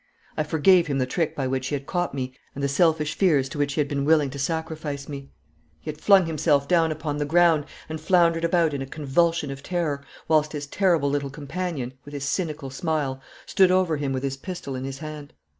I forgave him the trick by which he had caught me and the selfish fears to which he had been willing to sacrifice me. He had flung himself down upon the ground, and floundered about in a convulsion of terror, whilst his terrible little companion, with his cynical smile, stood over him with his pistol in his hand.